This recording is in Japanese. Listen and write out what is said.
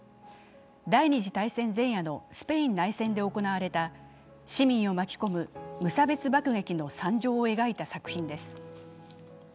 第二次大戦前夜のスペイン内戦で行われた市民を巻き込む無差別爆撃の惨状を描いた作品です。